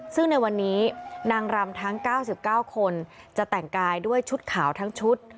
ซึ่งในวันนี้นางรำทั้ง๙๙คนจะแต่งกายด้วยชุดขาวทั้งชุด